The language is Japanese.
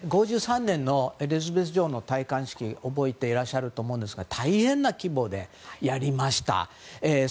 １９５３年のエリザベス女王の戴冠式覚えていらっしゃると思いますが大変な規模でやりました。